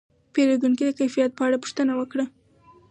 پیرودونکی د کیفیت په اړه پوښتنه وکړه.